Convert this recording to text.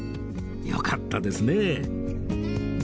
よかったですね